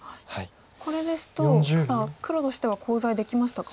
これですとただ黒としてはコウ材できましたか？